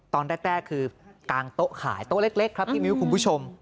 ตอนแรกคือกางโต๊ะขายโต๊ะเล็กครับพี่มิ้วคุณผู้ชม